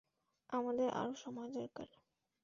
আমাদের আরো সময়ের দরকার।